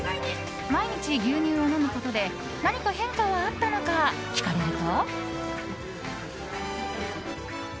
毎日、牛乳を飲むことで何か変化はあったのか聞かれると。